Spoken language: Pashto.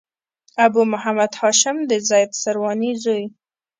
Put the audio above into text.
ابو محمد هاشم د زيد سرواني زوی.